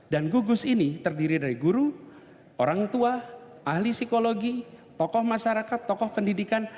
dan gugus ini terdiri dari guru orang tua ahli psikologi tokoh masyarakat tokoh pendidikan